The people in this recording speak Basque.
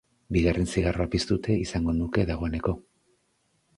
Bigarren zigarroa piztuta izango nuke dagoeneko.